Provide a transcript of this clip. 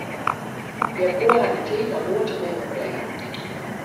Hja koe har dy tiid noch goed tebinnenbringe.